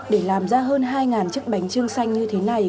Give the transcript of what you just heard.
để làm ra hơn hai chiếc bánh trưng xanh như thế này